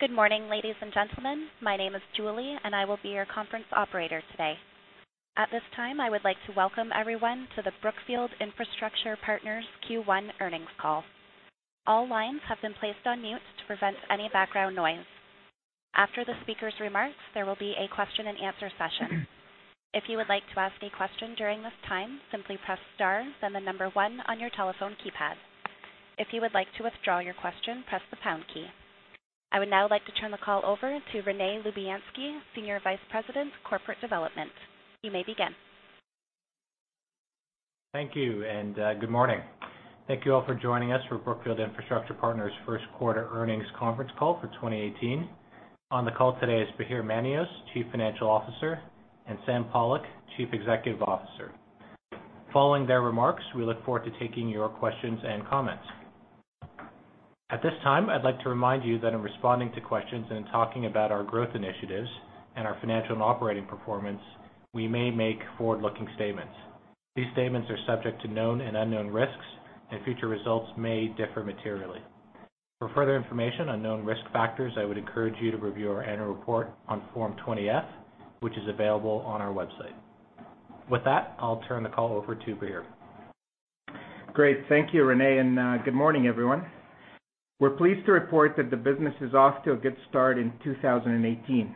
Good morning, ladies and gentlemen. My name is Julie, and I will be your conference operator today. At this time, I would like to welcome everyone to the Brookfield Infrastructure Partners Q1 earnings call. All lines have been placed on mute to prevent any background noise. After the speakers' remarks, there will be a question and answer session. If you would like to ask a question during this time, simply press star, then the number one on your telephone keypad. If you would like to withdraw your question, press the pound key. I would now like to turn the call over to Rene Lubianski, Senior Vice President of Corporate Development. You may begin. Thank you. Good morning. Thank you all for joining us for Brookfield Infrastructure Partners' first quarter earnings conference call for 2018. On the call today is Bahir Manios, Chief Financial Officer, and Sam Pollock, Chief Executive Officer. Following their remarks, we look forward to taking your questions and comments. At this time, I'd like to remind you that in responding to questions and in talking about our growth initiatives and our financial and operating performance, we may make forward-looking statements. These statements are subject to known and unknown risks, and future results may differ materially. For further information on known risk factors, I would encourage you to review our annual report on Form 20-F, which is available on our website. With that, I'll turn the call over to Bahir. Great. Thank you, Rene. Good morning, everyone. We're pleased to report that the business is off to a good start in 2018.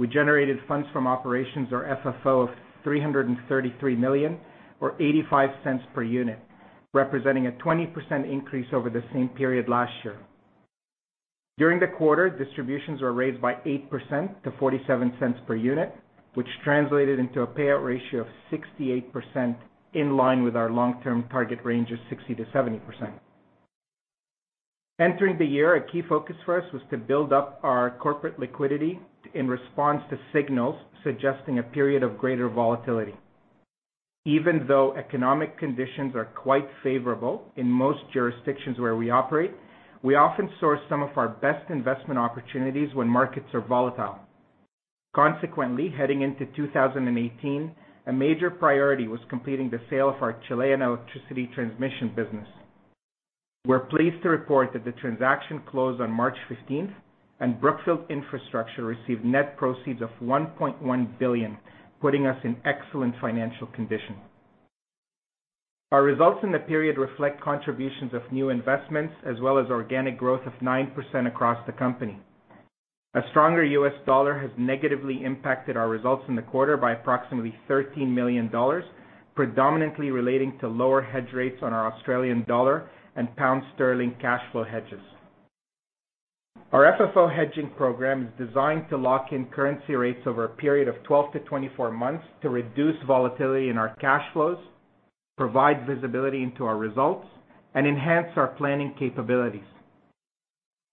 We generated funds from operations or FFO of $333 million, or $0.85 per unit, representing a 20% increase over the same period last year. During the quarter, distributions were raised by 8% to $0.47 per unit, which translated into a payout ratio of 68%, in line with our long-term target range of 60%-70%. Entering the year, a key focus for us was to build up our corporate liquidity in response to signals suggesting a period of greater volatility. Even though economic conditions are quite favorable in most jurisdictions where we operate, we often source some of our best investment opportunities when markets are volatile. Consequently, heading into 2018, a major priority was completing the sale of our Chilean electricity transmission business. We're pleased to report that the transaction closed on March 15th, Brookfield Infrastructure received net proceeds of $1.1 billion, putting us in excellent financial condition. Our results in the period reflect contributions of new investments, as well as organic growth of 9% across the company. A stronger U.S. dollar has negatively impacted our results in the quarter by approximately $13 million, predominantly relating to lower hedge rates on our Australian dollar and pound sterling cash flow hedges. Our FFO hedging program is designed to lock in currency rates over a period of 12 to 24 months to reduce volatility in our cash flows, provide visibility into our results, and enhance our planning capabilities.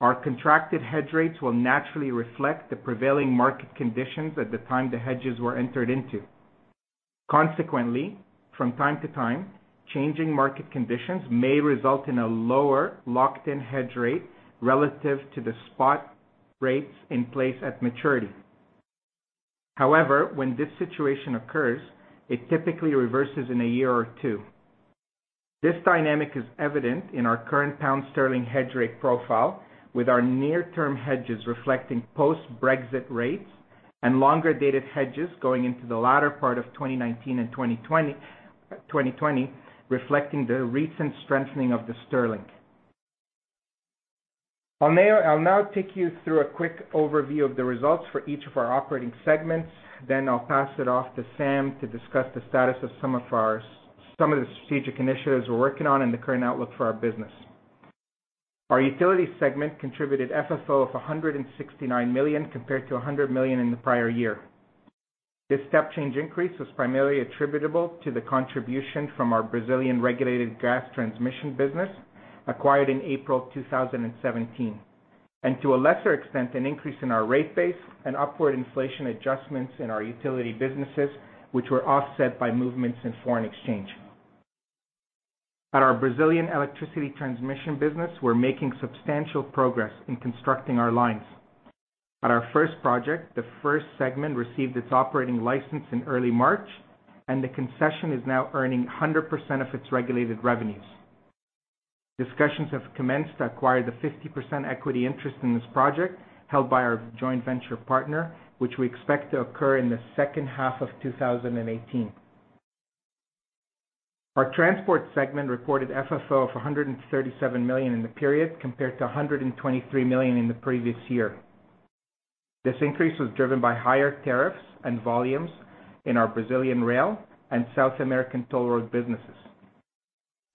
Our contracted hedge rates will naturally reflect the prevailing market conditions at the time the hedges were entered into. Consequently, from time to time, changing market conditions may result in a lower locked-in hedge rate relative to the spot rates in place at maturity. However, when this situation occurs, it typically reverses in a year or two. This dynamic is evident in our current pound sterling hedge rate profile, with our near-term hedges reflecting post-Brexit rates and longer-dated hedges going into the latter part of 2019 and 2020 reflecting the recent strengthening of the sterling. I'll now take you through a quick overview of the results for each of our operating segments, then I'll pass it off to Sam to discuss the status of some of the strategic initiatives we're working on and the current outlook for our business. Our utility segment contributed FFO of $169 million compared to $100 million in the prior year. This step-change increase was primarily attributable to the contribution from our Brazilian regulated gas transmission business acquired in April 2017, and to a lesser extent, an increase in our rate base and upward inflation adjustments in our utility businesses, which were offset by movements in foreign exchange. At our Brazilian electricity transmission business, we're making substantial progress in constructing our lines. At our first project, the first segment received its operating license in early March, and the concession is now earning 100% of its regulated revenues. Discussions have commenced to acquire the 50% equity interest in this project held by our joint venture partner, which we expect to occur in the second half of 2018. Our transport segment reported FFO of $137 million in the period, compared to $123 million in the previous year. This increase was driven by higher tariffs and volumes in our Brazilian rail and South American toll road businesses.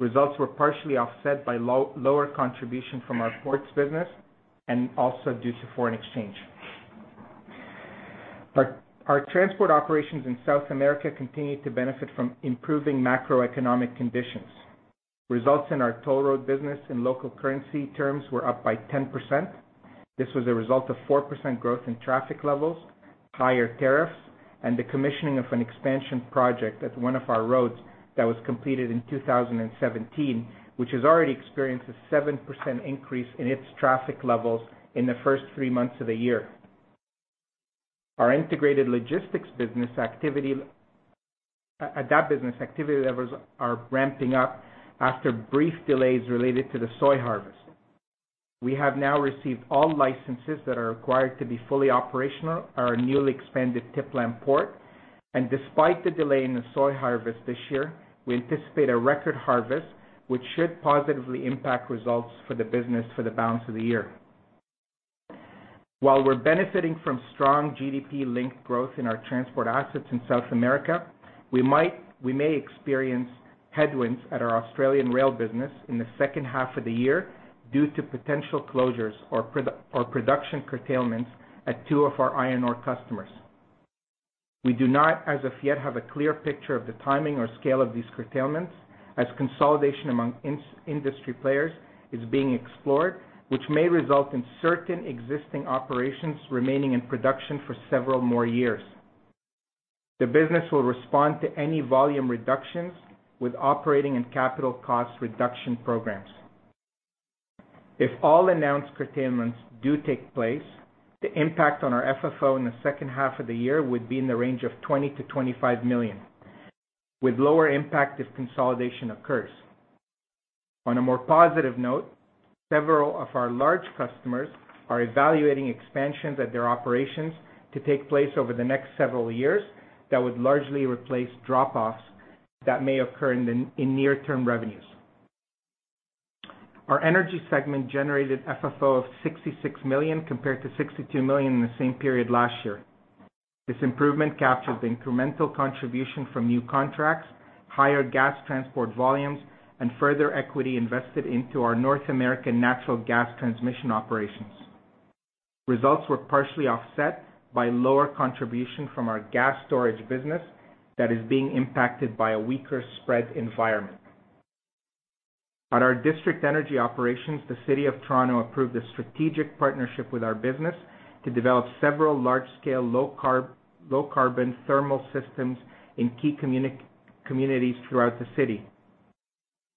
Results were partially offset by lower contribution from our ports business and also due to foreign exchange. Our transport operations in South America continued to benefit from improving macroeconomic conditions. Results in our toll road business in local currency terms were up by 10%. This was a result of 4% growth in traffic levels, higher tariffs, and the commissioning of an expansion project at one of our roads that was completed in 2017, which has already experienced a 7% increase in its traffic levels in the first three months of the year. Our integrated logistics business activity at that business, activity levels are ramping up after brief delays related to the soy harvest. We have now received all licenses that are required to be fully operational at our newly expanded TIPLAM port. Despite the delay in the soy harvest this year, we anticipate a record harvest, which should positively impact results for the business for the balance of the year. While we're benefiting from strong GDP-linked growth in our transport assets in South America, we may experience headwinds at our Australian rail business in the second half of the year due to potential closures or production curtailments at two of our iron ore customers. We do not, as of yet, have a clear picture of the timing or scale of these curtailments, as consolidation among industry players is being explored, which may result in certain existing operations remaining in production for several more years. The business will respond to any volume reductions with operating and capital cost reduction programs. If all announced curtailments do take place, the impact on our FFO in the second half of the year would be in the range of $20 million-$25 million, with lower impact if consolidation occurs. On a more positive note, several of our large customers are evaluating expansions at their operations to take place over the next several years that would largely replace drop-offs that may occur in near-term revenues. Our energy segment generated FFO of $66 million, compared to $62 million in the same period last year. This improvement captures incremental contribution from new contracts, higher gas transport volumes, and further equity invested into our North American natural gas transmission operations. Results were partially offset by lower contribution from our gas storage business that is being impacted by a weaker spread environment. At our district energy operations, the City of Toronto approved a strategic partnership with our business to develop several large-scale, low-carbon thermal systems in key communities throughout the city.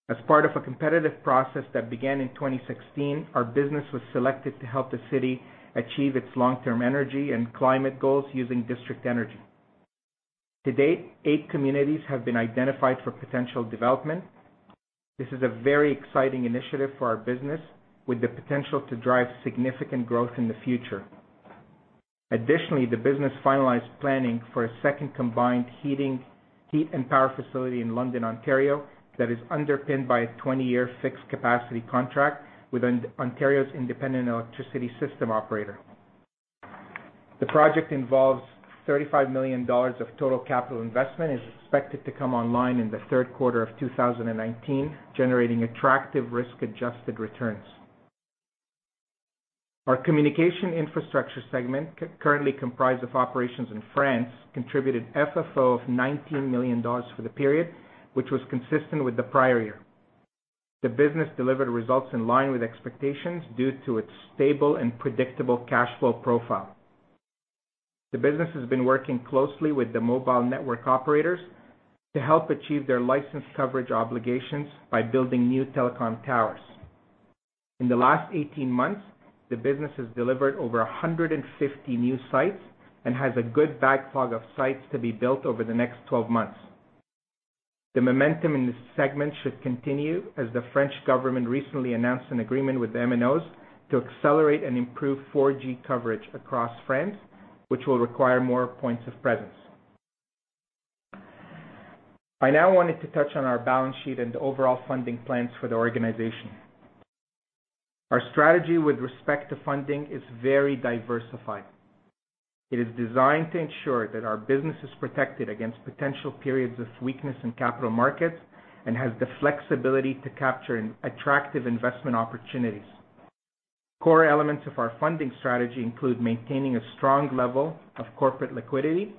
As part of a competitive process that began in 2016, our business was selected to help the city achieve its long-term energy and climate goals using district energy. To date, eight communities have been identified for potential development. This is a very exciting initiative for our business, with the potential to drive significant growth in the future. Additionally, the business finalized planning for a second combined heat and power facility in London, Ontario that is underpinned by a 20-year fixed capacity contract with Ontario's Independent Electricity System Operator. The project involves $35 million of total capital investment and is expected to come online in the third quarter of 2019, generating attractive risk-adjusted returns. Our communication infrastructure segment, currently comprised of operations in France, contributed FFO of $19 million for the period, which was consistent with the prior year. The business delivered results in line with expectations due to its stable and predictable cash flow profile. The business has been working closely with the mobile network operators to help achieve their license coverage obligations by building new telecom towers. In the last 18 months, the business has delivered over 150 new sites and has a good backlog of sites to be built over the next 12 months. The momentum in this segment should continue as the French government recently announced an agreement with the MNOs to accelerate and improve 4G coverage across France, which will require more points of presence. I now wanted to touch on our balance sheet and the overall funding plans for the organization. Our strategy with respect to funding is very diversified. It is designed to ensure that our business is protected against potential periods of weakness in capital markets and has the flexibility to capture attractive investment opportunities. Core elements of our funding strategy include maintaining a strong level of corporate liquidity,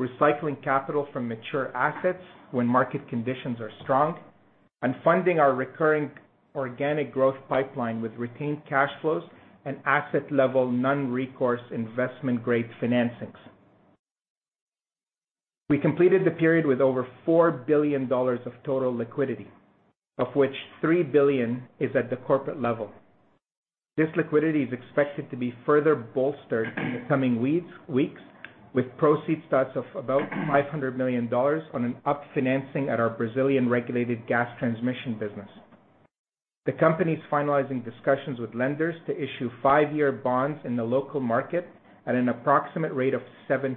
recycling capital from mature assets when market conditions are strong, and funding our recurring organic growth pipeline with retained cash flows and asset-level non-recourse investment-grade financings. We completed the period with over $4 billion of total liquidity, of which $3 billion is at the corporate level. This liquidity is expected to be further bolstered in the coming weeks with proceeds of about $500 million on an up-financing at our Brazilian regulated gas transmission business. The company is finalizing discussions with lenders to issue five-year bonds in the local market at an approximate rate of 7%.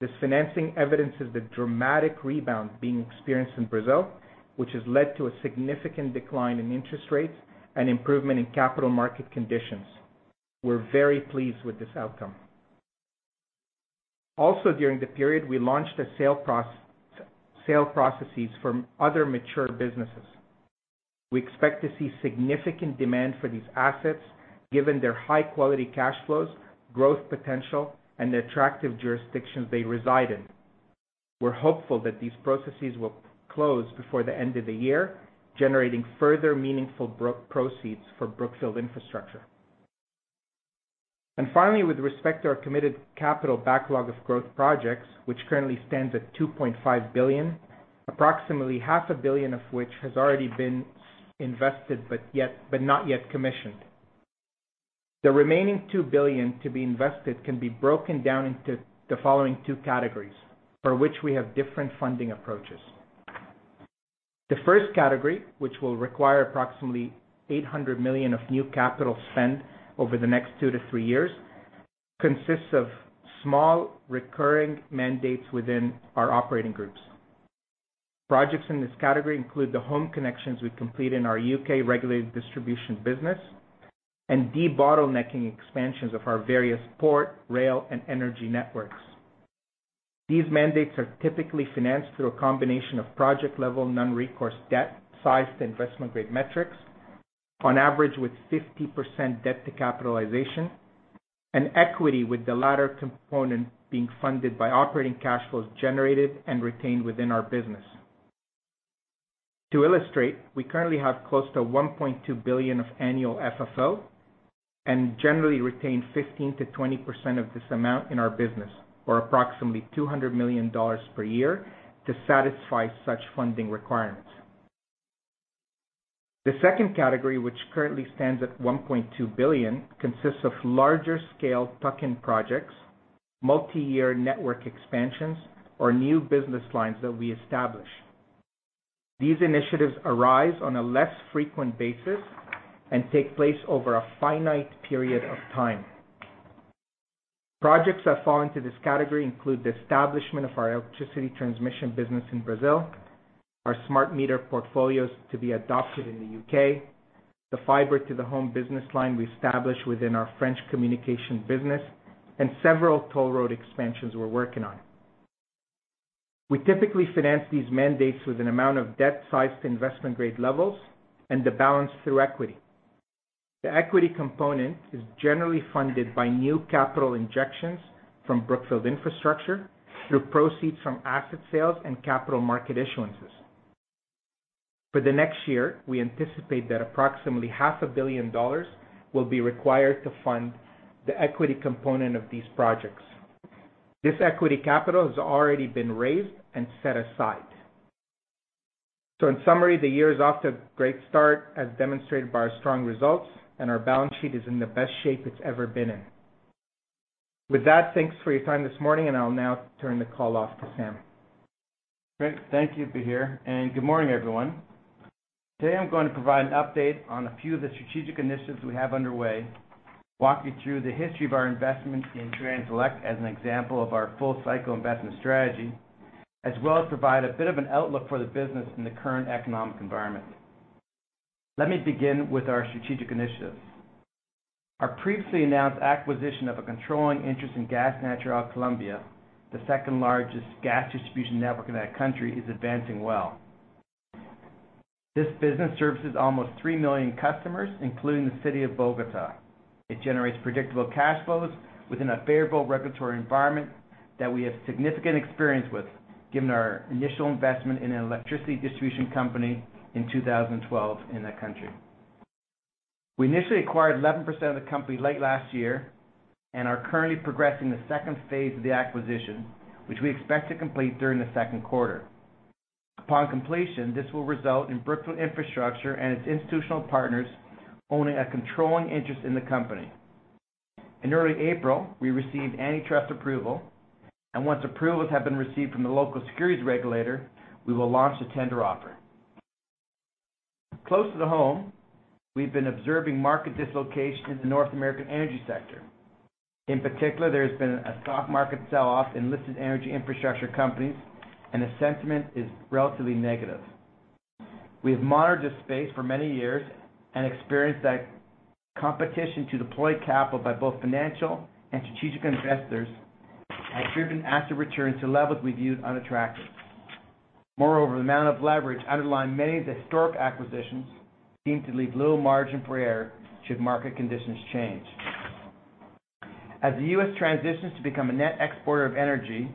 This financing evidences the dramatic rebound being experienced in Brazil, which has led to a significant decline in interest rates and improvement in capital market conditions. We're very pleased with this outcome. Also, during the period, we launched the sale processes from other mature businesses. We expect to see significant demand for these assets given their high-quality cash flows, growth potential, and the attractive jurisdictions they reside in. We're hopeful that these processes will close before the end of the year, generating further meaningful proceeds for Brookfield Infrastructure. Finally, with respect to our committed capital backlog of growth projects, which currently stands at $2.5 billion, approximately half a billion of which has already been invested, but not yet commissioned. The remaining $2 billion to be invested can be broken down into the following two categories, for which we have different funding approaches. The first category, which will require approximately $800 million of new capital spend over the next two to three years, consists of small, recurring mandates within our operating groups. Projects in this category include the home connections we complete in our U.K. regulated distribution business and de-bottlenecking expansions of our various port, rail, and energy networks. These mandates are typically financed through a combination of project-level non-recourse debt sized to investment-grade metrics, on average with 50% debt to capitalization, and equity, with the latter component being funded by operating cash flows generated and retained within our business. To illustrate, we currently have close to $1.2 billion of annual FFO and generally retain 15%-20% of this amount in our business, or approximately $200 million per year to satisfy such funding requirements. The second category, which currently stands at $1.2 billion, consists of larger-scale tuck-in projects, multi-year network expansions, or new business lines that we establish. These initiatives arise on a less frequent basis and take place over a finite period of time. Projects that fall into this category include the establishment of our electricity transmission business in Brazil, our smart meter portfolios to be adopted in the U.K., the fiber to the home business line we established within our French communication business, and several toll road expansions we're working on. We typically finance these mandates with an amount of debt sized to investment-grade levels and the balance through equity. The equity component is generally funded by new capital injections from Brookfield Infrastructure through proceeds from asset sales and capital market issuances. For the next year, we anticipate that approximately half a billion dollars will be required to fund the equity component of these projects. This equity capital has already been raised and set aside. In summary, the year is off to a great start as demonstrated by our strong results, and our balance sheet is in the best shape it's ever been in. With that, thanks for your time this morning, and I'll now turn the call off to Sam. Great. Thank you, Bahir, and good morning, everyone. Today, I'm going to provide an update on a few of the strategic initiatives we have underway, walk you through the history of our investment in Transelec as an example of our full-cycle investment strategy, as well as provide a bit of an outlook for the business in the current economic environment. Let me begin with our strategic initiatives. Our previously announced acquisition of a controlling interest in Vanti SA ESP, the second-largest gas distribution network in that country, is advancing well. This business services almost three million customers, including the city of Bogotá. It generates predictable cash flows within a favorable regulatory environment that we have significant experience with, given our initial investment in an electricity distribution company in 2012 in that country. We initially acquired 11% of the company late last year and are currently progressing the second phase of the acquisition, which we expect to complete during the second quarter. Upon completion, this will result in Brookfield Infrastructure and its institutional partners owning a controlling interest in the company. In early April, we received antitrust approval, and once approvals have been received from the local securities regulator, we will launch a tender offer. Close to home, we've been observing market dislocation in the North American energy sector. In particular, there has been a stock market sell-off in listed energy infrastructure companies, and the sentiment is relatively negative. We have monitored this space for many years and experienced that competition to deploy capital by both financial and strategic investors has driven asset returns to levels we viewed unattractive. Moreover, the amount of leverage underlying many of the historic acquisitions seemed to leave little margin for error should market conditions change. As the U.S. transitions to become a net exporter of energy,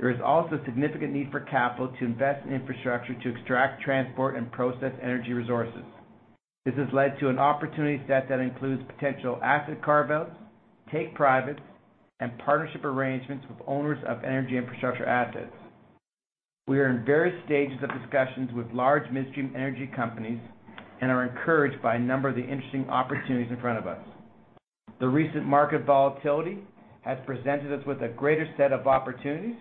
there is also a significant need for capital to invest in infrastructure to extract, transport, and process energy resources. This has led to an opportunity set that includes potential asset carve-outs, take privates, and partnership arrangements with owners of energy infrastructure assets. We are in various stages of discussions with large midstream energy companies and are encouraged by a number of the interesting opportunities in front of us. The recent market volatility has presented us with a greater set of opportunities,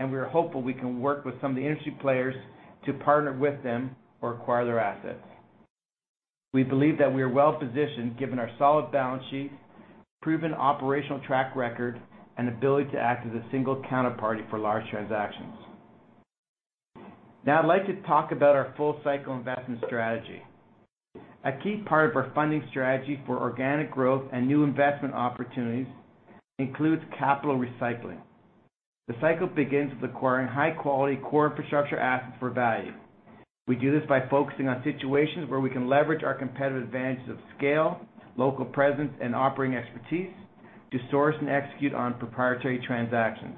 and we are hopeful we can work with some of the industry players to partner with them or acquire their assets. We believe that we are well-positioned given our solid balance sheet, proven operational track record, and ability to act as a single counterparty for large transactions. Now, I'd like to talk about our full-cycle investment strategy. A key part of our funding strategy for organic growth and new investment opportunities includes capital recycling. The cycle begins with acquiring high-quality core infrastructure assets for value. We do this by focusing on situations where we can leverage our competitive advantages of scale, local presence, and operating expertise to source and execute on proprietary transactions.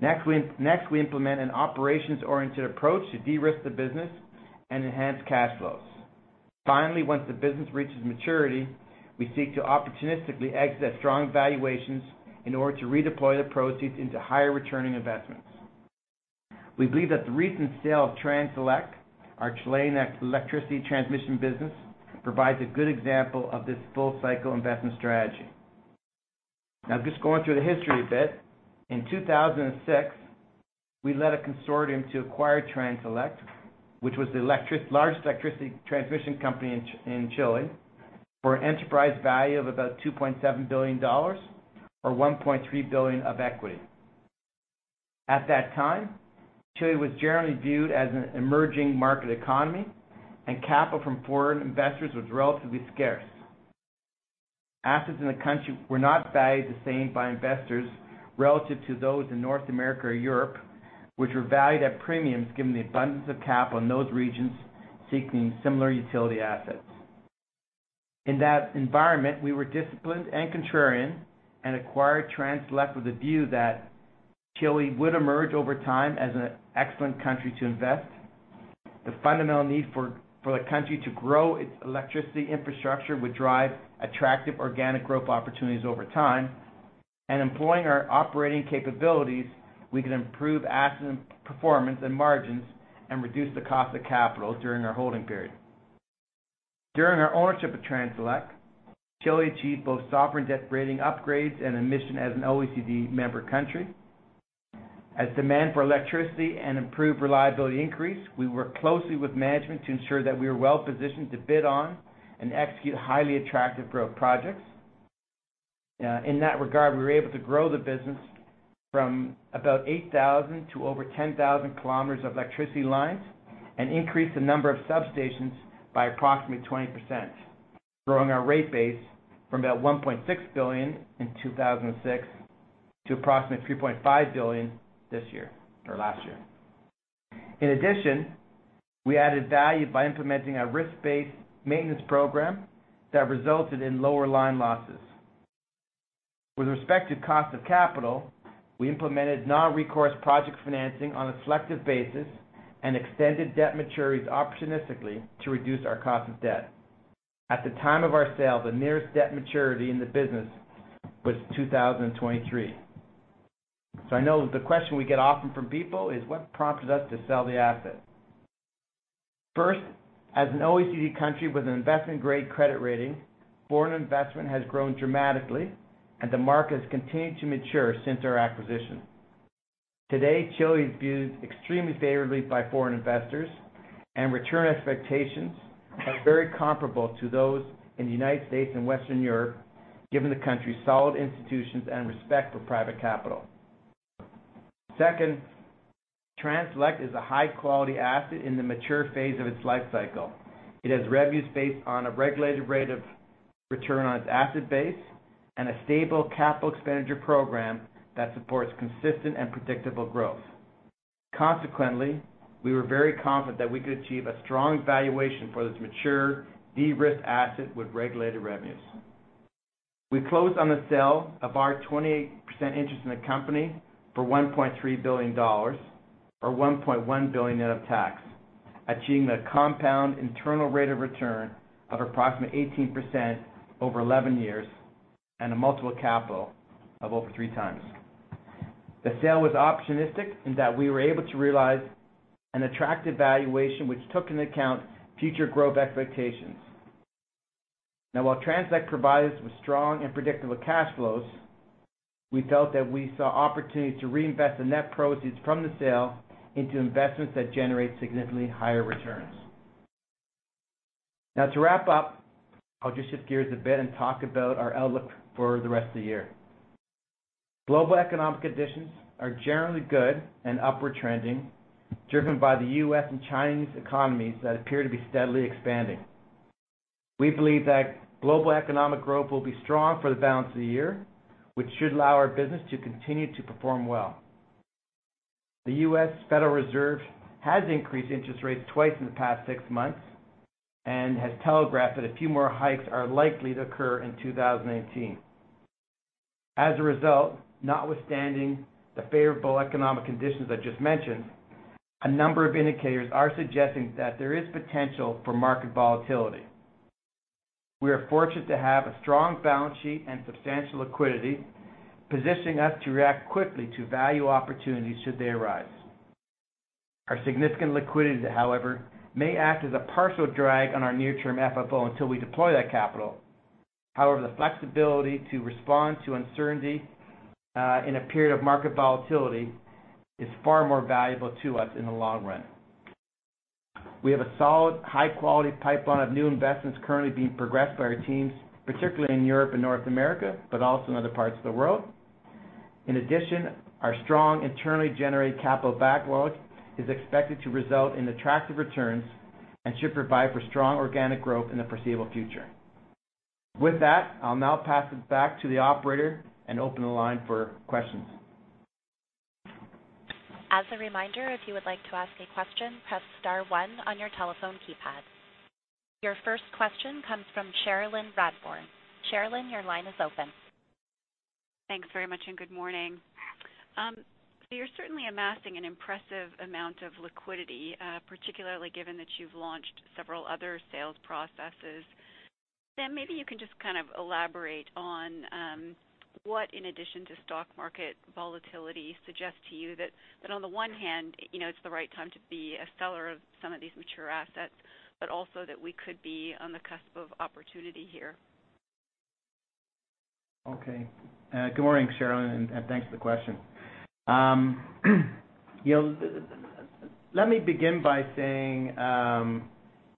Next, we implement an operations-oriented approach to de-risk the business and enhance cash flows. Finally, once the business reaches maturity, we seek to opportunistically exit at strong valuations in order to redeploy the proceeds into higher-returning investments. We believe that the recent sale of Transelec, our Chilean electricity transmission business, provides a good example of this full-cycle investment strategy. Just going through the history a bit. In 2006, we led a consortium to acquire Transelec, which was the largest electricity transmission company in Chile, for an enterprise value of about $2.7 billion, or $1.3 billion of equity. At that time, Chile was generally viewed as an emerging market economy, and capital from foreign investors was relatively scarce. Assets in the country were not valued the same by investors relative to those in North America or Europe, which were valued at premiums given the abundance of capital in those regions seeking similar utility assets. In that environment, we were disciplined and contrarian and acquired Transelec with a view that Chile would emerge over time as an excellent country to invest. The fundamental need for the country to grow its electricity infrastructure would drive attractive organic growth opportunities over time. Employing our operating capabilities, we can improve asset performance and margins and reduce the cost of capital during our holding period. During our ownership of Transelec, Chile achieved both sovereign debt rating upgrades and admission as an OECD member country. As demand for electricity and improved reliability increased, we worked closely with management to ensure that we were well-positioned to bid on and execute highly attractive growth projects. In that regard, we were able to grow the business from about 8,000 to over 10,000 kilometers of electricity lines and increase the number of substations by approximately 20%, growing our rate base from about $1.6 billion in 2006 to approximately $3.5 billion this year or last year. In addition, we added value by implementing a risk-based maintenance program that resulted in lower line losses. With respect to cost of capital, we implemented non-recourse project financing on a selective basis and extended debt maturities opportunistically to reduce our cost of debt. At the time of our sale, the nearest debt maturity in the business was 2023. I know the question we get often from people is what prompted us to sell the asset. First, as an OECD country with an investment-grade credit rating, foreign investment has grown dramatically, and the market has continued to mature since our acquisition. Today, Chile is viewed extremely favorably by foreign investors, and return expectations are very comparable to those in the United States and Western Europe, given the country's solid institutions and respect for private capital. Second, Transelec is a high-quality asset in the mature phase of its life cycle. It has revenues based on a regulated rate of return on its asset base and a stable capital expenditure program that supports consistent and predictable growth. Consequently, we were very confident that we could achieve a strong valuation for this mature, de-risked asset with regulated revenues. We closed on the sale of our 28% interest in the company for $1.3 billion, or $1.1 billion net of tax, achieving a compound internal rate of return of approximately 18% over 11 years and a multiple of capital of over three times. The sale was opportunistic in that we were able to realize an attractive valuation, which took into account future growth expectations. While Transelec provided us with strong and predictable cash flows, we felt that we saw opportunities to reinvest the net proceeds from the sale into investments that generate significantly higher returns. To wrap up, I'll just shift gears a bit and talk about our outlook for the rest of the year. Global economic conditions are generally good and upward trending, driven by the U.S. and Chinese economies that appear to be steadily expanding. We believe that global economic growth will be strong for the balance of the year, which should allow our business to continue to perform well. The Federal Reserve System has increased interest rates twice in the past six months and has telegraphed that a few more hikes are likely to occur in 2019. As a result, notwithstanding the favorable economic conditions I just mentioned, a number of indicators are suggesting that there is potential for market volatility. We are fortunate to have a strong balance sheet and substantial liquidity, positioning us to react quickly to value opportunities should they arise. Our significant liquidity, however, may act as a partial drag on our near-term FFO until we deploy that capital. The flexibility to respond to uncertainty in a period of market volatility is far more valuable to us in the long run. We have a solid, high-quality pipeline of new investments currently being progressed by our teams, particularly in Europe and North America, but also in other parts of the world. In addition, our strong internally generated capital backlog is expected to result in attractive returns and should provide for strong organic growth in the foreseeable future. With that, I'll now pass it back to the operator and open the line for questions. As a reminder, if you would like to ask a question, press star one on your telephone keypad. Your first question comes from Cherilyn Radbourne. Cherilyn, your line is open. Thanks very much, good morning. You're certainly amassing an impressive amount of liquidity, particularly given that you've launched several other sales processes. Sam, maybe you can just elaborate on what, in addition to stock market volatility, suggests to you that on the one hand, it's the right time to be a seller of some of these mature assets, but also that we could be on the cusp of opportunity here. Okay. Good morning, Cherilyn, thanks for the question. Let me begin by saying,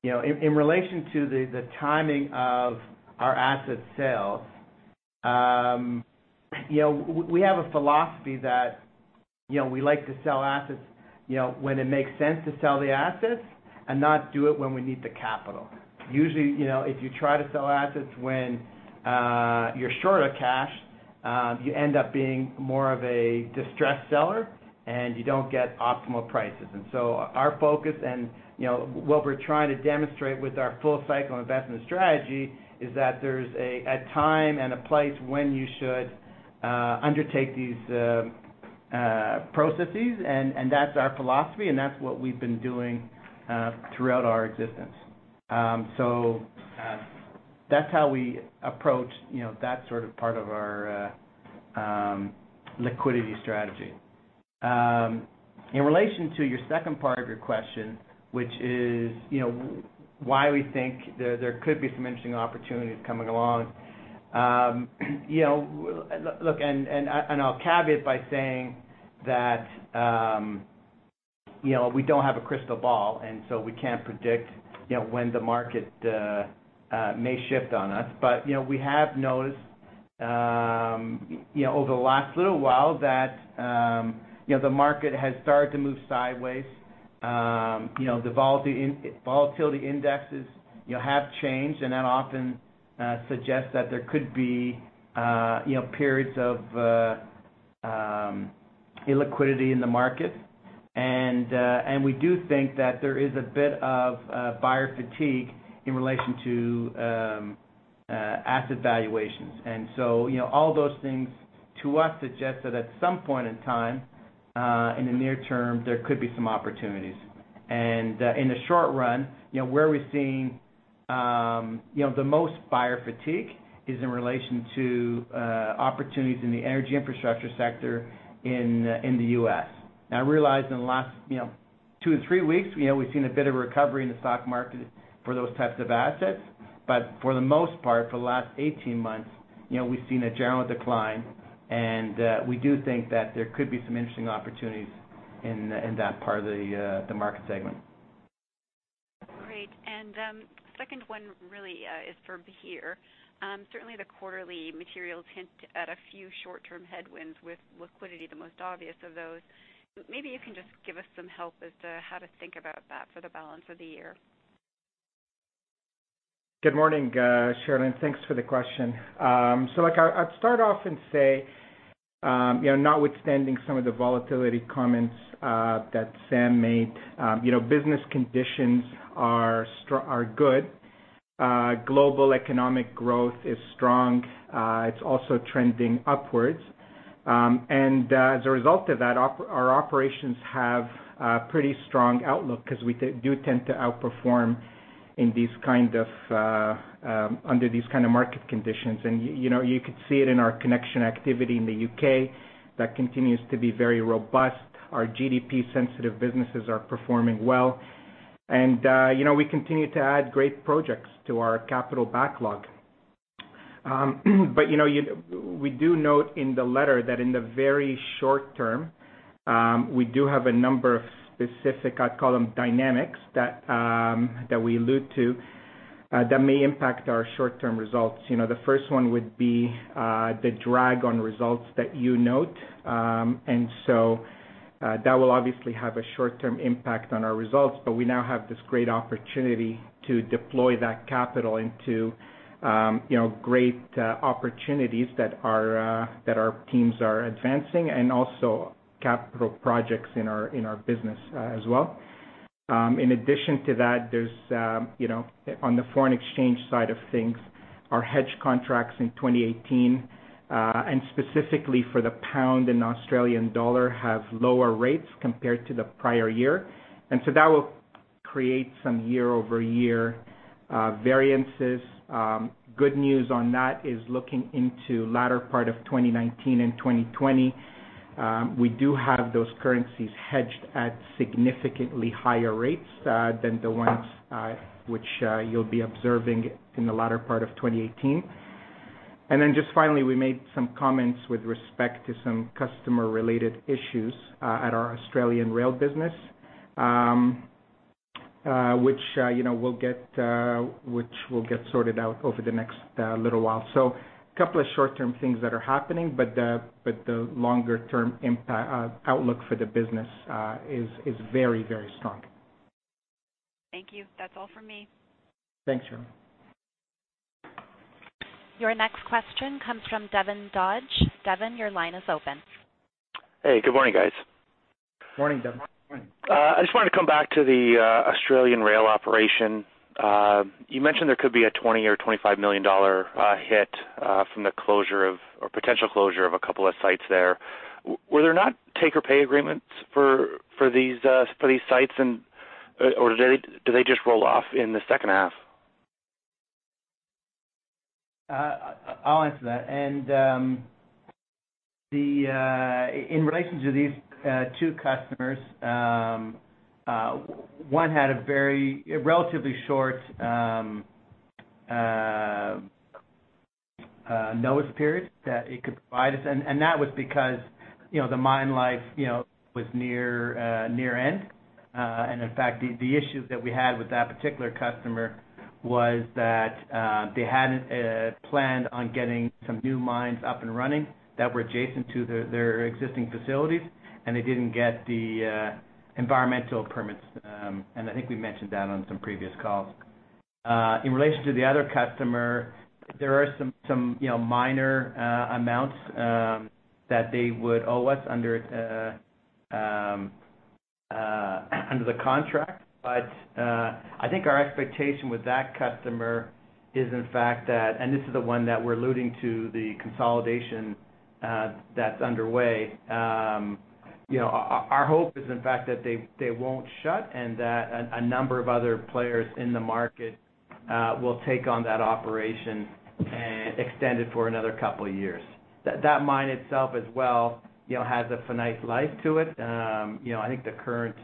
in relation to the timing of our asset sales, we have a philosophy that we like to sell assets when it makes sense to sell the assets and not do it when we need the capital. Usually, if you try to sell assets when you're short of cash, you end up being more of a distressed seller, and you don't get optimal prices. Our focus and what we're trying to demonstrate with our full-cycle investment strategy is that there's a time and a place when you should undertake these processes, and that's our philosophy, and that's what we've been doing throughout our existence. That's how we approach that sort of part of our liquidity strategy. In relation to your second part of your question, which is why we think there could be some interesting opportunities coming along. Look, I'll caveat by saying that we don't have a crystal ball, we can't predict when the market may shift on us. We have noticed over the last little while that the market has started to move sideways. The volatility indexes have changed, and that often suggests that there could be periods of illiquidity in the market. We do think that there is a bit of buyer fatigue in relation to asset valuations. All those things to us suggest that at some point in time, in the near term, there could be some opportunities. In the short run, where we're seeing the most buyer fatigue is in relation to opportunities in the energy infrastructure sector in the U.S. I realize in the last two to three weeks, we've seen a bit of a recovery in the stock market for those types of assets. For the most part, for the last 18 months, we've seen a general decline, and we do think that there could be some interesting opportunities in that part of the market segment. Great. The second one really is for Bahir. Certainly, the quarterly materials hint at a few short-term headwinds, with liquidity the most obvious of those. Maybe you can just give us some help as to how to think about that for the balance of the year. Good morning, Cherilyn, and thanks for the question. I'd start off and say, notwithstanding some of the volatility comments that Sam made, business conditions are good. Global economic growth is strong. It's also trending upwards. As a result of that, our operations have a pretty strong outlook because we do tend to outperform under these kind of market conditions. You could see it in our connection activity in the U.K. That continues to be very robust. Our GDP-sensitive businesses are performing well. We continue to add great projects to our capital backlog. We do note in the letter that in the very short term, we do have a number of specific, I'd call them dynamics, that we allude to that may impact our short-term results. The first one would be the drag on results that you note. That will obviously have a short-term impact on our results, but we now have this great opportunity to deploy that capital into great opportunities that our teams are advancing and also capital projects in our business as well. In addition to that, on the foreign exchange side of things, our hedge contracts in 2018, and specifically for the GBP and AUD, have lower rates compared to the prior year. That will create some year-over-year variances. Good news on that is looking into the latter part of 2019 and 2020, we do have those currencies hedged at significantly higher rates than the ones which you'll be observing in the latter part of 2018. Just finally, we made some comments with respect to some customer-related issues at our Australian rail business, which will get sorted out over the next little while. A couple of short-term things that are happening, but the longer-term impact outlook for the business is very strong. Thank you. That's all for me. Thanks, Cherilyn. Your next question comes from Devin Dodge. Devin, your line is open. Hey, good morning, guys. Morning, Devin. Morning. I just wanted to come back to the Australian rail operation. You mentioned there could be a $20 million or $25 million hit from the closure or potential closure of a couple of sites there. Were there not take or pay agreements for these sites, or do they just roll off in the second half? I'll answer that. In relation to these two customers, one had a very relatively short notice period that it could provide us. That was because the mine life was near end. In fact, the issue that we had with that particular customer was that they hadn't planned on getting some new mines up and running that were adjacent to their existing facilities, and they didn't get the environmental permits. I think we mentioned that on some previous calls. In relation to the other customer, there are some minor amounts that they would owe us under the contract. I think our expectation with that customer is, in fact, that, and this is the one that we're alluding to the consolidation that's underway. Our hope is, in fact, that they won't shut and that a number of other players in the market will take on that operation and extend it for another couple of years. That mine itself as well has a finite life to it. I think the current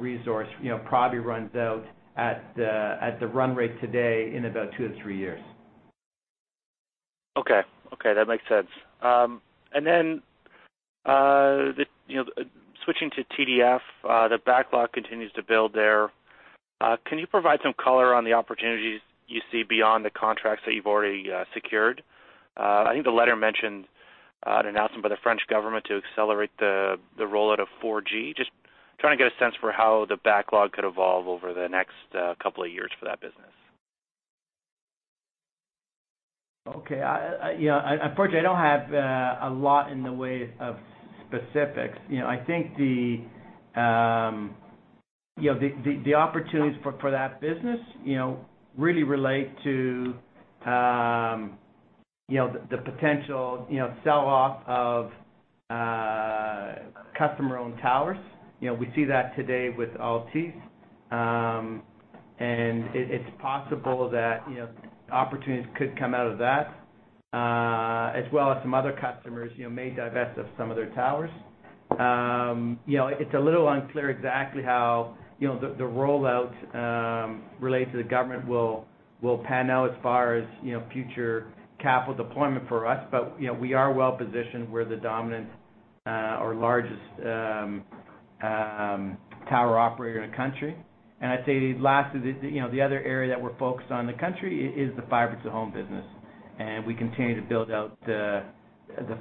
resource probably runs out at the run rate today in about two to three years. Okay. That makes sense. Switching to TDF, the backlog continues to build there. Can you provide some color on the opportunities you see beyond the contracts that you've already secured? I think the letter mentioned an announcement by the French government to accelerate the rollout of 4G. Just trying to get a sense for how the backlog could evolve over the next couple of years for that business. Okay. Unfortunately, I don't have a lot in the way of specifics. I think the opportunities for that business really relate to the potential sell-off of customer-owned towers. We see that today with Altice. It's possible that opportunities could come out of that, as well as some other customers may divest of some of their towers. It's a little unclear exactly how the rollout related to the government will pan out as far as future capital deployment for us. We are well-positioned. We're the dominant or largest tower operator in the country. I'd say the other area that we're focused on in the country is the fiber to home business. We continue to build out the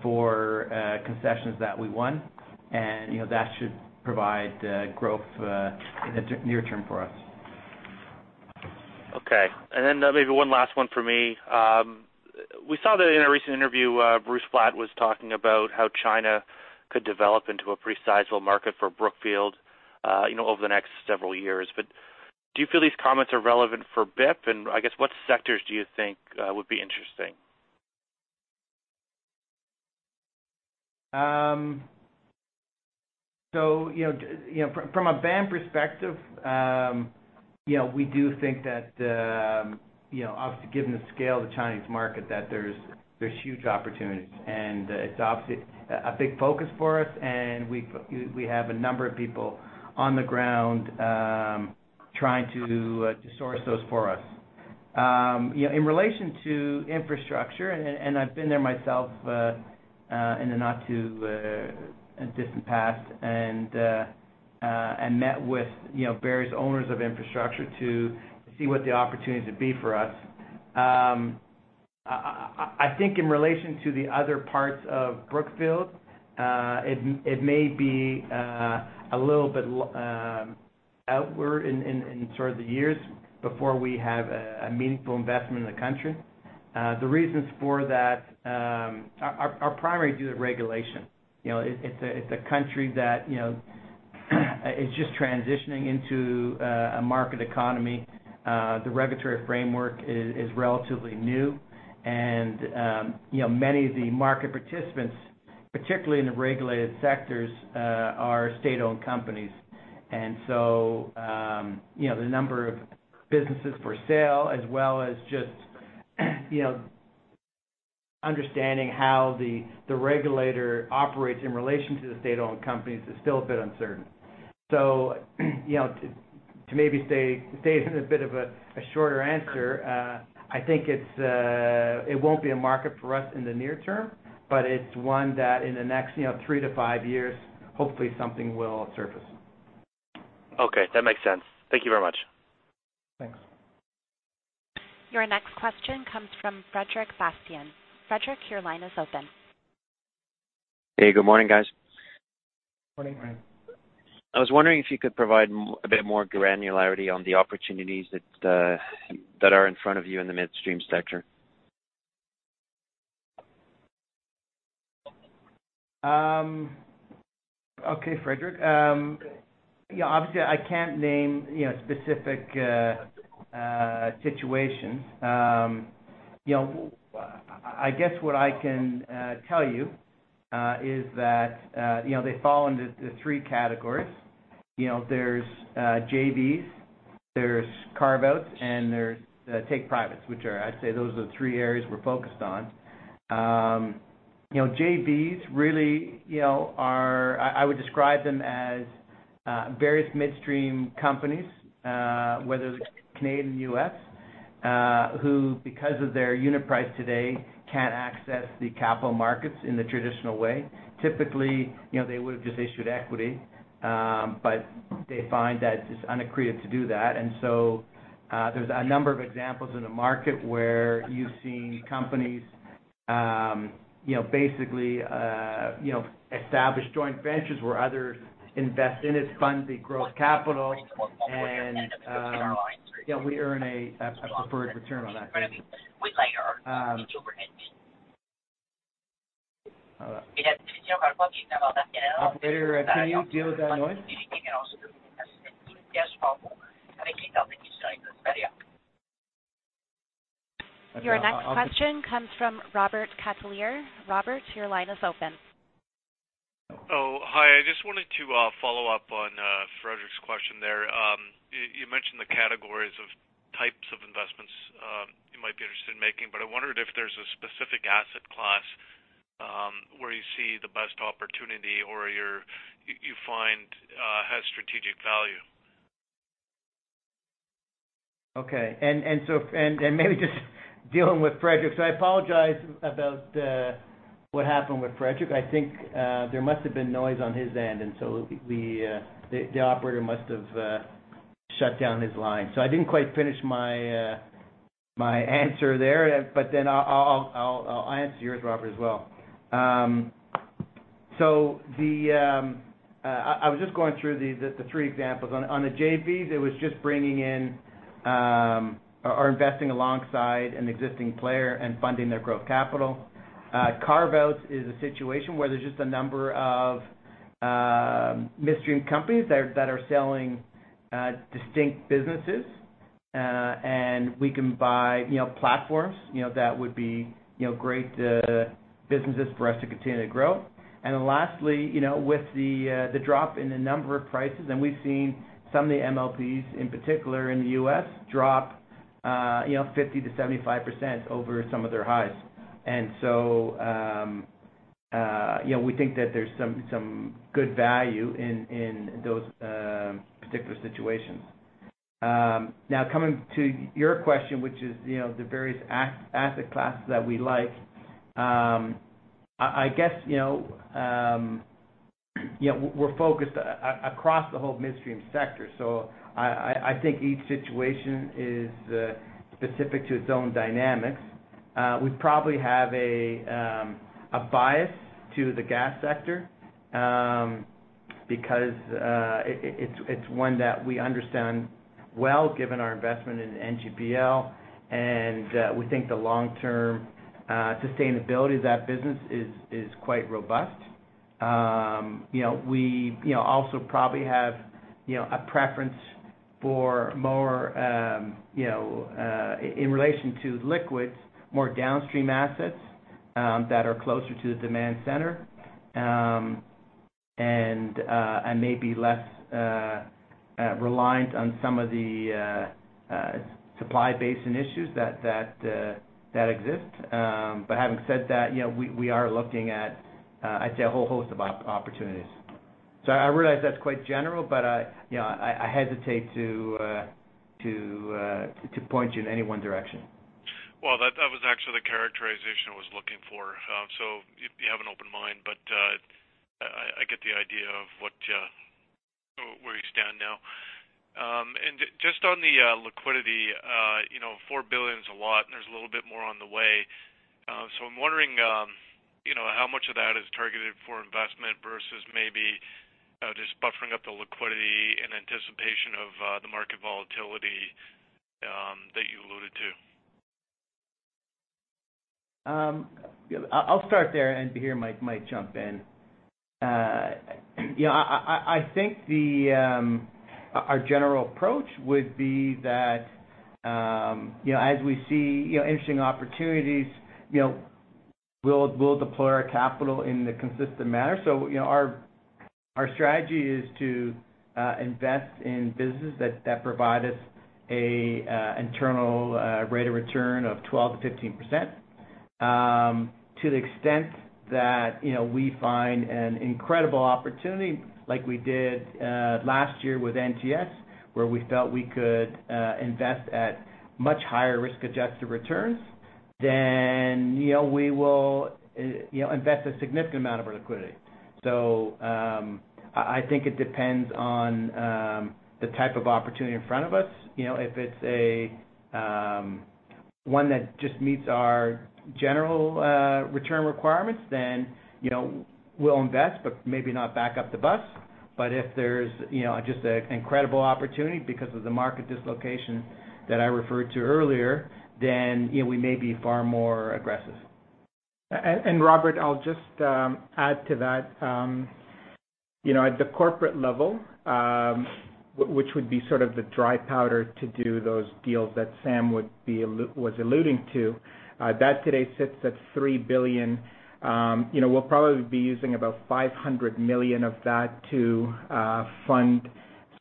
four concessions that we won, and that should provide growth in the near term for us. Okay. Maybe one last one for me. We saw that in a recent interview, Bruce Flatt was talking about how China could develop into a pretty sizable market for Brookfield over the next several years. Do you feel these comments are relevant for BIP? I guess, what sectors do you think would be interesting? From a BAM perspective, we do think that, obviously given the scale of the Chinese market, that there's huge opportunities, it's obviously a big focus for us, we have a number of people on the ground trying to source those for us. In relation to infrastructure, I've been there myself in the not too distant past met with various owners of infrastructure to see what the opportunities would be for us. I think in relation to the other parts of Brookfield, it may be a little bit outward in sort of the years before we have a meaningful investment in the country. The reasons for that are primarily due to regulation. It's a country that is just transitioning into a market economy. The regulatory framework is relatively new. Many of the market participants, particularly in the regulated sectors, are state-owned companies. The number of businesses for sale, as well as just understanding how the regulator operates in relation to the state-owned companies is still a bit uncertain. To maybe stay in a bit of a shorter answer, I think it won't be a market for us in the near term, but it's one that in the next three to five years, hopefully something will surface. Okay, that makes sense. Thank you very much. Thanks. Your next question comes from Frederic Bastien. Frederic, your line is open. Hey, good morning, guys. Morning, Fred. I was wondering if you could provide a bit more granularity on the opportunities that are in front of you in the midstream sector. Okay, Frederic. Obviously, I can't name specific situations. I guess what I can tell you is that they fall into 3 categories. There's JVs, there's carve-outs, and there's take-privates, which I'd say those are the three areas we're focused on. JVs, really, I would describe them as various midstream companies, whether it's Canadian, U.S., who because of their unit price today, can't access the capital markets in the traditional way. Typically, they would've just issued equity. They find that it's unaccretive to do that. There's a number of examples in the market where you've seen companies basically establish joint ventures where others invest in it, fund the growth capital, and we earn a preferred return on that investment. Operator, can you deal with that noise? Your next question comes from Robert Hope. Robert, your line is open. Oh, hi. I just wanted to follow up on Frederic's question there. You mentioned the categories of types of investments you might be interested in making, I wondered if there's a specific asset class, where you see the best opportunity or you find has strategic value. Okay. Maybe just dealing with Frederic. I apologize about what happened with Frederic. I think there must have been noise on his end, the operator must have shut down his line. I didn't quite finish my answer there. I'll answer yours, Robert, as well. I was just going through the three examples. On the JVs, it was just bringing in or investing alongside an existing player and funding their growth capital. Carve-outs is a situation where there's just a number of midstream companies that are selling distinct businesses. We can buy platforms that would be great businesses for us to continue to grow. Lastly, with the drop in the number of prices, we've seen some of the MLPs, in particular in the U.S., drop 50%-75% over some of their highs. We think that there's some good value in those particular situations. Now, coming to your question, which is the various asset classes that we like. I guess, we're focused across the whole midstream sector, I think each situation is specific to its own dynamics. We probably have a bias to the gas sector, because it's one that we understand well, given our investment in NGPL, we think the long-term sustainability of that business is quite robust. We also probably have a preference for more, in relation to liquids, more downstream assets that are closer to the demand center, and maybe less reliant on some of the supply base and issues that exist. Having said that, we are looking at, I'd say, a whole host of opportunities. I realize that's quite general, I hesitate to point you in any one direction. Well, that was actually the characterization I was looking for. You have an open mind, I get the idea of where you stand now. Just on the liquidity, $4 billion's a lot, there's a little bit more on the way. I'm wondering, how much of that is targeted for investment versus maybe just buffering up the liquidity in anticipation of the market volatility that you alluded to? I'll start there, and Bahir Manios might jump in. I think our general approach would be that as we see interesting opportunities, we'll deploy our capital in the consistent manner. Our strategy is to invest in business that provide us an internal rate of return of 12%-15%. To the extent that we find an incredible opportunity, like we did last year with NTS, where we felt we could invest at much higher risk-adjusted returns, we will invest a significant amount of our liquidity. I think it depends on the type of opportunity in front of us. If it's one that just meets our general return requirements, we'll invest, but maybe not back up the bus. If there's just an incredible opportunity because of the market dislocation that I referred to earlier, we may be far more aggressive. Robert, I'll just add to that. At the corporate level, which would be sort of the dry powder to do those deals that Sam Pollock was alluding to, that today sits at $3 billion. We'll probably be using about $500 million of that to fund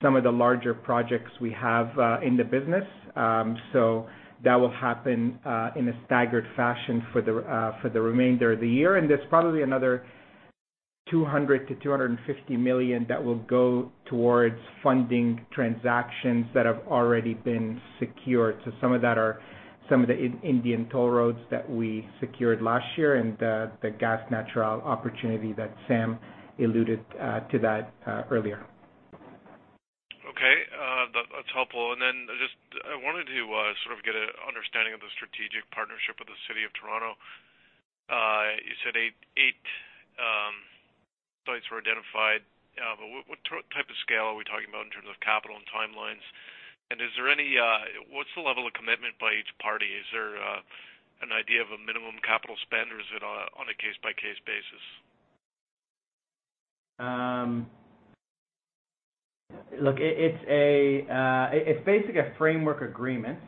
some of the larger projects we have in the business. That will happen in a staggered fashion for the remainder of the year. There's probably another $200 million-$250 million that will go towards funding transactions that have already been secured. Some of that are some of the Indian toll roads that we secured last year and the Gas Natural opportunity that Sam Pollock alluded to that earlier. That's helpful. I wanted to sort of get an understanding of the strategic partnership with the City of Toronto. You said 8 sites were identified, what type of scale are we talking about in terms of capital and timelines? What's the level of commitment by each party? Is there an idea of a minimum capital spend, or is it on a case-by-case basis? It's basically a framework agreement,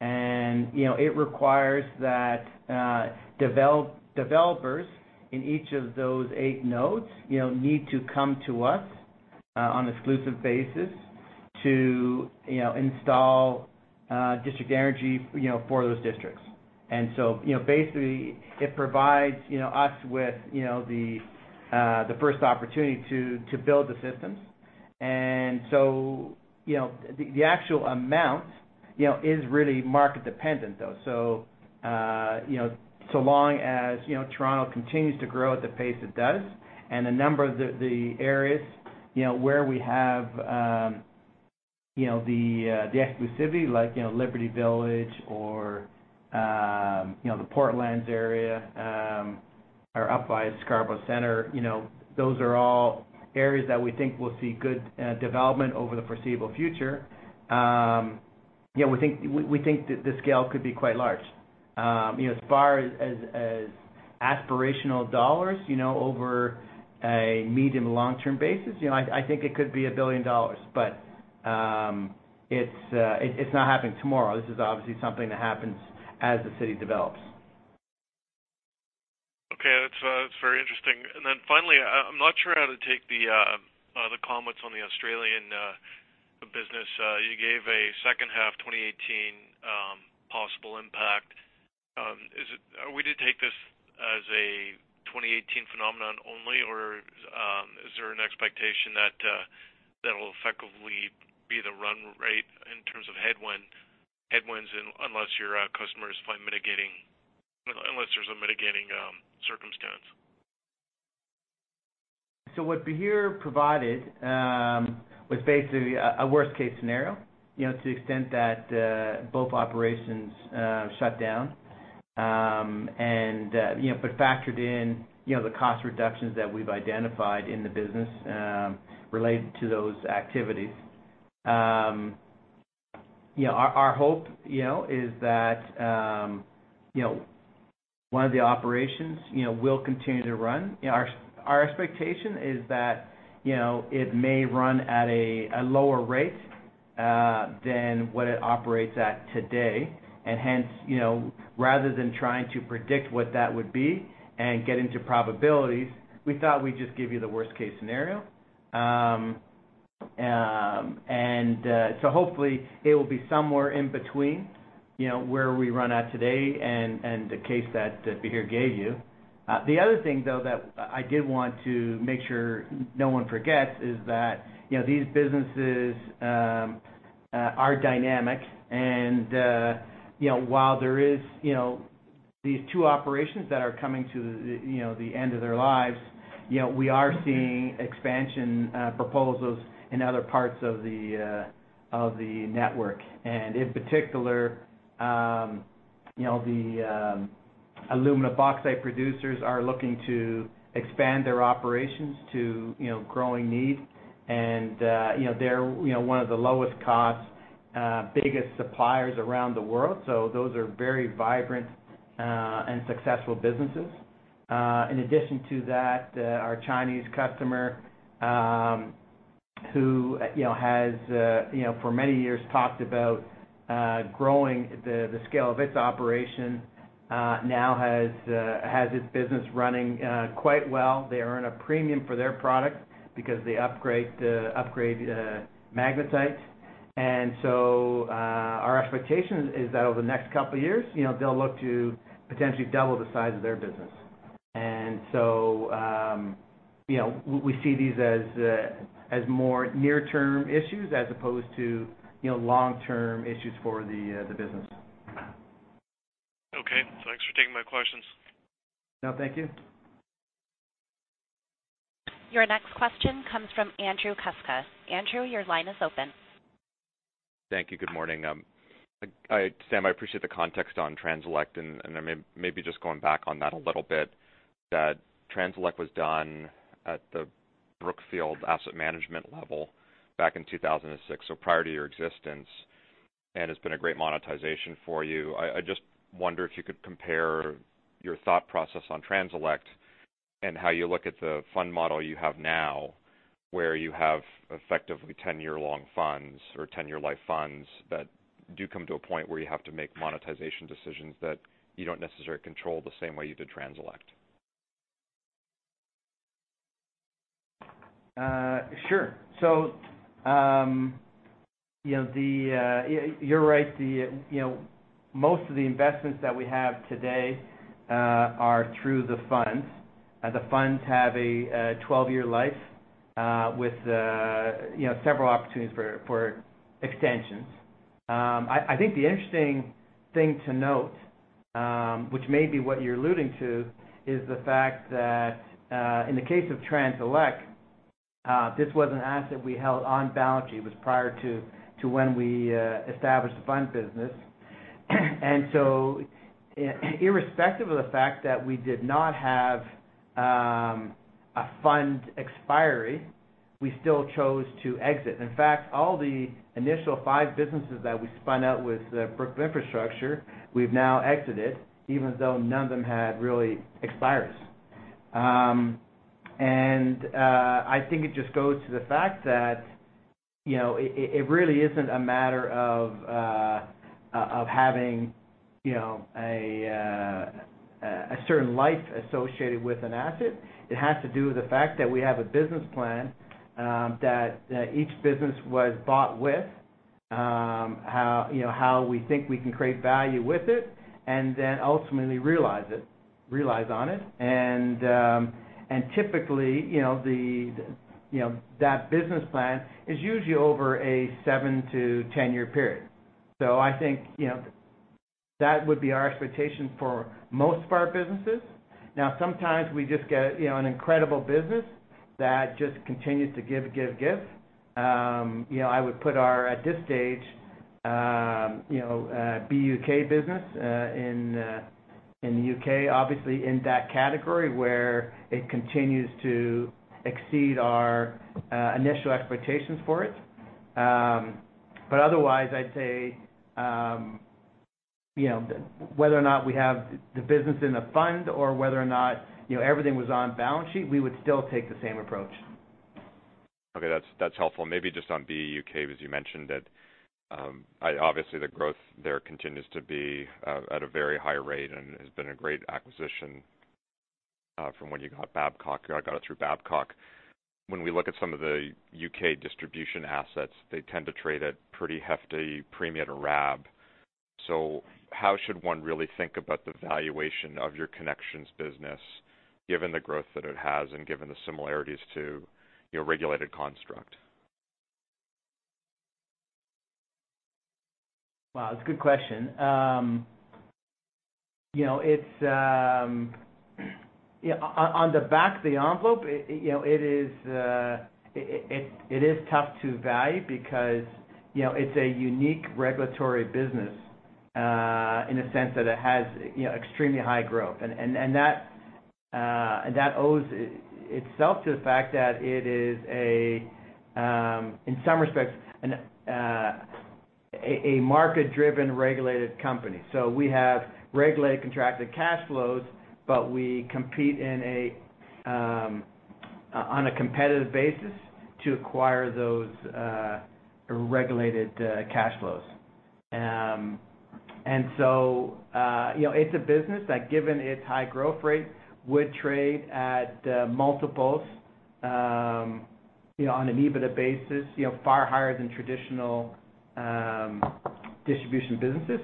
it requires that developers in each of those 8 nodes need to come to us, on exclusive basis to install district energy for those districts. Basically, it provides us with the first opportunity to build the systems. The actual amount is really market dependent, though. Long as Toronto continues to grow at the pace it does, and the number of the areas where we have the exclusivity, like Liberty Village or the Port Lands area, or up by Scarborough Centre, those are all areas that we think will see good development over the foreseeable future. We think the scale could be quite large. As far as aspirational dollars, over a medium long-term basis, I think it could be $1 billion. It's not happening tomorrow. This is obviously something that happens as the city develops. Okay. That's very interesting. Finally, I'm not sure how to take the comments on the Australian business. You gave a second half 2018 possible impact. Are we to take this as a 2018 phenomenon only, or is there an expectation that that'll effectively be the run rate in terms of headwinds unless your customers find mitigating, unless there's a mitigating circumstance? What Bahir provided was basically a worst-case scenario, to the extent that both operations shut down. Factored in the cost reductions that we've identified in the business related to those activities. Our hope is that one of the operations will continue to run. Our expectation is that it may run at a lower rate than what it operates at today. Rather than trying to predict what that would be and get into probabilities, we thought we'd just give you the worst-case scenario. Hopefully it will be somewhere in between where we run at today and the case that Bahir gave you. The other thing, though, that I did want to make sure no one forgets is that these businesses are dynamic. While there is these two operations that are coming to the end of their lives, we are seeing expansion proposals in other parts of the network. In particular, the alumina bauxite producers are looking to expand their operations to growing need. They're one of the lowest cost, biggest suppliers around the world. Those are very vibrant and successful businesses. In addition to that, our Chinese customer, who has for many years talked about growing the scale of its operation, now has its business running quite well. They earn a premium for their product because they upgrade magnetite. Our expectation is that over the next couple of years, they'll look to potentially double the size of their business. We see these as more near-term issues as opposed to long-term issues for the business. Okay. Thanks for taking my questions. No, thank you. Your next question comes from Andrew Kuske. Andrew, your line is open. Thank you. Good morning. Sam, I appreciate the context on Transelec. Maybe just going back on that a little bit, that Transelec was done at the Brookfield Asset Management level back in 2006, so prior to your existence. It's been a great monetization for you. I just wonder if you could compare your thought process on Transelec and how you look at the fund model you have now, where you have effectively 10-year-long funds or 10-year life funds that do come to a point where you have to make monetization decisions that you don't necessarily control the same way you did Transelec. Sure. You're right. Most of the investments that we have today are through the funds. The funds have a 12-year life with several opportunities for extensions. I think the interesting thing to note, which may be what you're alluding to, is the fact that, in the case of Transelec, this was an asset we held on balance sheet. It was prior to when we established the fund business. Irrespective of the fact that we did not have a fund expiry, we still chose to exit. In fact, all the initial five businesses that we spun out with Brookfield Infrastructure, we've now exited, even though none of them had really expires. I think it just goes to the fact that it really isn't a matter of having a certain life associated with an asset. It has to do with the fact that we have a business plan that each business was bought with, how we think we can create value with it, then ultimately realize on it. Typically, that business plan is usually over a seven to 10-year period. I think that would be our expectation for most of our businesses. Sometimes we just get an incredible business that just continues to give. I would put our, at this stage, BUUK business in the U.K., obviously in that category, where it continues to exceed our initial expectations for it. Otherwise, I'd say, whether or not we have the business in the fund or whether or not everything was on balance sheet, we would still take the same approach. Okay. That's helpful. Maybe just on BUUK, as you mentioned it. Obviously, the growth there continues to be at a very high rate and has been a great acquisition from when you got Babcock. You got it through Babcock. When we look at some of the U.K. distribution assets, they tend to trade at pretty hefty premium to RAB. How should one really think about the valuation of your connections business, given the growth that it has and given the similarities to your regulated construct? Wow, that's a good question. On the back of the envelope, it is tough to value because it's a unique regulatory business in the sense that it has extremely high growth. That owes itself to the fact that it is a, in some respects, a market-driven, regulated company. We have regulated contracted cash flows, but we compete on a competitive basis to acquire those regulated cash flows. It's a business that, given its high growth rate, would trade at multiples, on an EBITDA basis, far higher than traditional distribution businesses.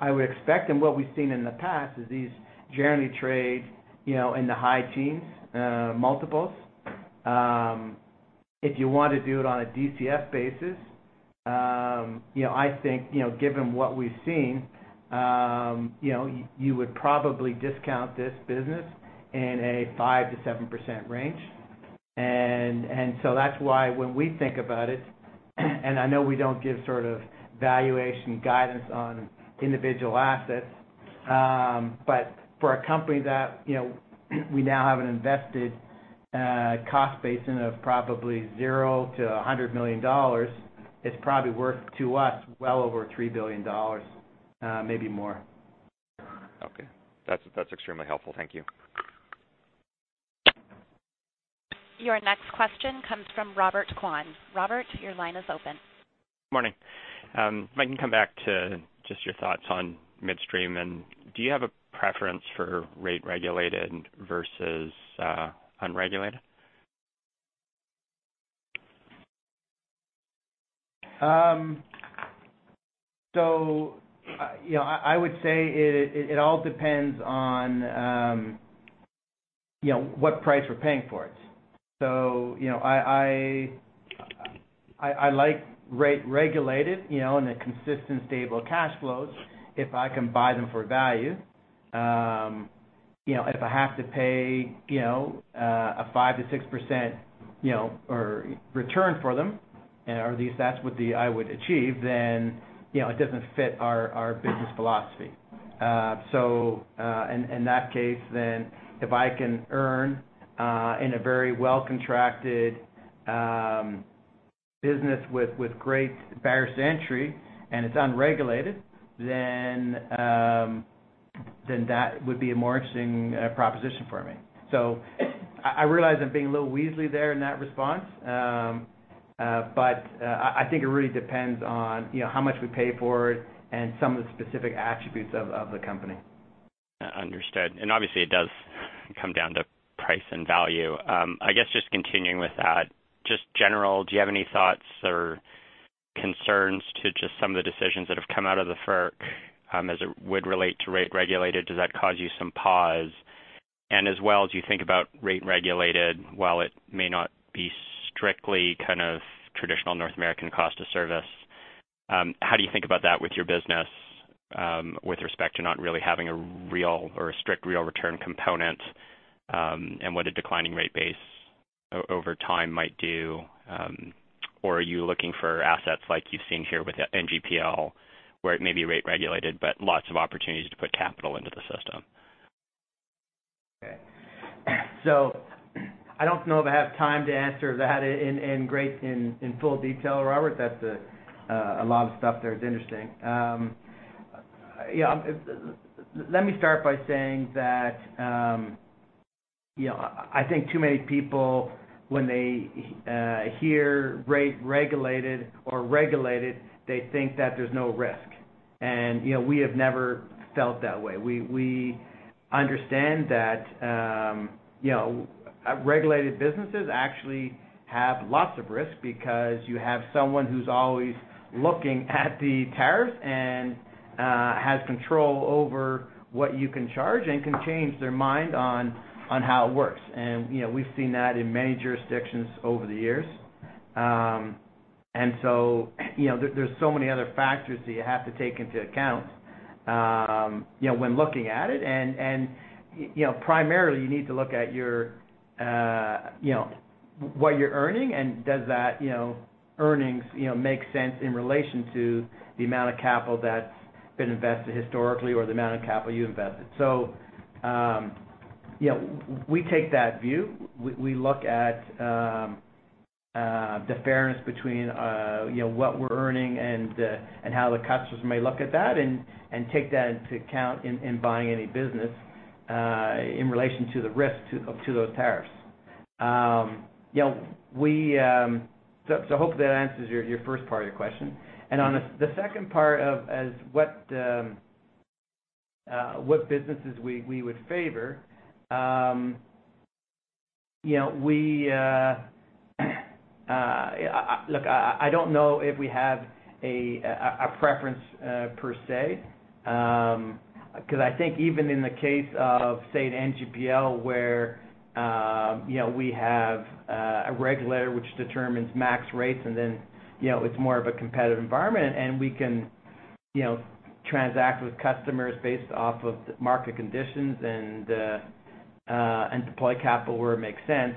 I would expect, and what we've seen in the past is these generally trade in the high teens multiples. If you want to do it on a DCF basis, I think, given what we've seen, you would probably discount this business in a 5%-7% range. That's why when we think about it, and I know we don't give sort of valuation guidance on individual assets, but for a company that we now have an invested cost base in of probably 0 to $100 million, it's probably worth to us well over $3 billion, maybe more. Okay. That's extremely helpful. Thank you. Your next question comes from Robert Kwan. Robert, your line is open. Morning. If I can come back to just your thoughts on midstream, do you have a preference for rate regulated versus unregulated? I would say it all depends on what price we're paying for it. I like rate regulated, and the consistent stable cash flows if I can buy them for value. If I have to pay a 5%-6% return for them, or at least that's what I would achieve, then it doesn't fit our business philosophy. In that case, then if I can earn in a very well-contracted business with great barriers to entry, and it's unregulated, then that would be a more interesting proposition for me. I realize I'm being a little weaselly there in that response, but I think it really depends on how much we pay for it and some of the specific attributes of the company. Understood. Obviously, it does come down to price and value. I guess just continuing with that, just general, do you have any thoughts or concerns to just some of the decisions that have come out of the FERC as it would relate to rate-regulated? Does that cause you some pause? As well, as you think about rate-regulated, while it may not be strictly kind of traditional North American cost of service, how do you think about that with your business with respect to not really having a real or a strict real return component and what a declining rate base over time might do? Are you looking for assets like you've seen here with NGPL, where it may be rate-regulated but lots of opportunities to put capital into the system? I don't know if I have time to answer that in full detail, Robert. That's a lot of stuff there. It's interesting. Let me start by saying that I think too many people, when they hear rate-regulated or regulated, they think that there's no risk. We have never felt that way. We understand that regulated businesses actually have lots of risk because you have someone who's always looking at the tariff and has control over what you can charge and can change their mind on how it works. We've seen that in many jurisdictions over the years. There's so many other factors that you have to take into account when looking at it. Primarily, you need to look at what you're earning and does that earnings make sense in relation to the amount of capital that's been invested historically or the amount of capital you invested. We take that view. We look at the fairness between what we're earning and how the customers may look at that and take that into account in buying any business in relation to the risk to those tariffs. Hope that answers your first part of your question. On the second part of as what businesses we would favor, look, I don't know if we have a preference per se. I think even in the case of, say, an NGPL, where we have a regulator which determines max rates and then it's more of a competitive environment, and we can transact with customers based off of market conditions and deploy capital where it makes sense.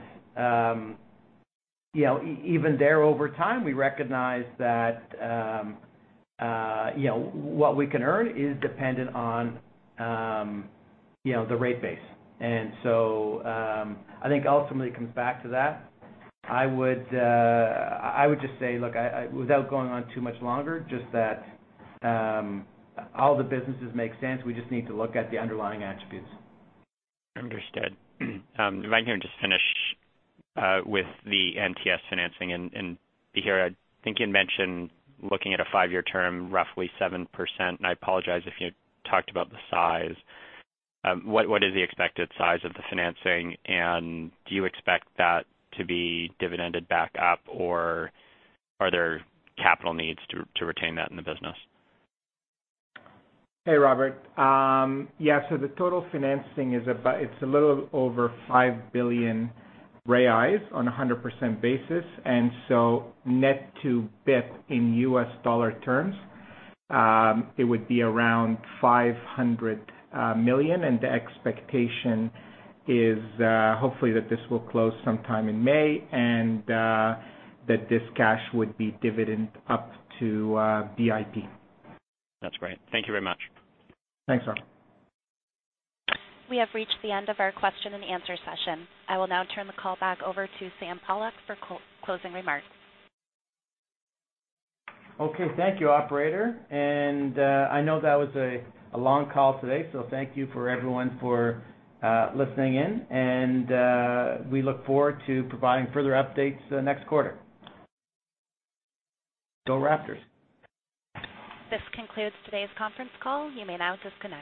Even there, over time, we recognize that what we can earn is dependent on the rate base. I think ultimately it comes back to that. I would just say, look, without going on too much longer, just that all the businesses make sense. We just need to look at the underlying attributes. Understood. If I can just finish with the NTS financing. Bahir, I think you'd mentioned looking at a five-year term, roughly 7%. I apologize if you talked about the size. What is the expected size of the financing, and do you expect that to be dividended back up, or are there capital needs to retain that in the business? Hey, Robert. Yeah, the total financing is a little over 5 billion reais on 100% basis. Net to BIP in U.S. dollar terms, it would be around $500 million. The expectation is, hopefully, that this will close sometime in May and that this cash would be dividended up to BIP. That's great. Thank you very much. Thanks, Robert. We have reached the end of our question and answer session. I will now turn the call back over to Sam Pollock for closing remarks. Okay. Thank you, operator. I know that was a long call today, thank you for everyone for listening in. We look forward to providing further updates next quarter. Go Raptors. This concludes today's conference call. You may now disconnect.